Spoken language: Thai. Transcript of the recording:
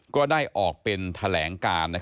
ก็ได้ออกเป็นแถลงการ